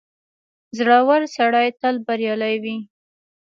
• زړور سړی تل بریالی وي.